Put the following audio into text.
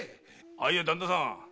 あいや旦那さん。